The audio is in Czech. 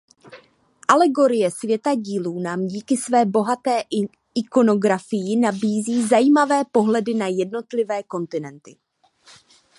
Alegorie světadílů nám díky své bohaté ikonografii nabízí zajímavé pohledy na jednotlivé kontinenty.